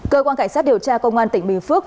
cơ quan cảnh sát điều tra công an tỉnh bình phước